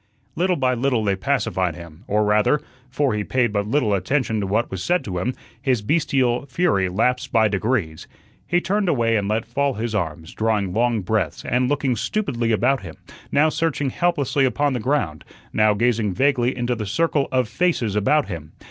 Little by little they pacified him, or rather (for he paid but little attention to what was said to him) his bestial fury lapsed by degrees. He turned away and let fall his arms, drawing long breaths, and looking stupidly about him, now searching helplessly upon the ground, now gazing vaguely into the circle of faces about him.